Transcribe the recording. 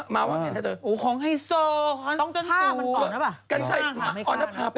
เมื่อวานพาถ่าย